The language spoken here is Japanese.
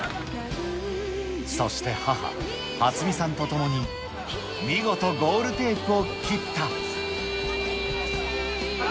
そして、母、初美さんと共に見事、ゴールテープを切った。